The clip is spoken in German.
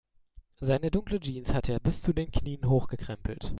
Seine dunkle Jeans hatte er bis zu den Knien hochgekrempelt.